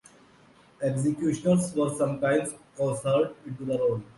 Executioners were sometimes coerced into the role.